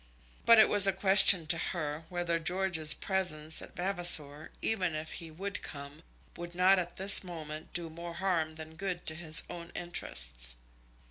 But it was a question to her whether George's presence at Vavasor, even if he would come, would not at this moment do more harm than good to his own interests.